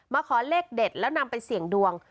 ขอเลขเด็ดแล้วนำไปเสี่ยงดวง